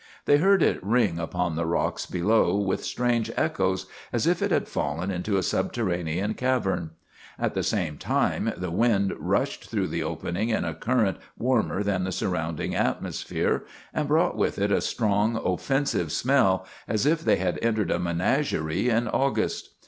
They heard it ring upon the rocks below with strange echoes, as if it had fallen into a subterraneous cavern. At the same time the wind rushed through the opening in a current warmer than the surrounding atmosphere, and brought with it a strong, offensive smell, as if they had entered a menagerie in August.